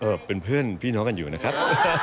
เป็นเพื่อนพี่น้องกันอยู่นะครับ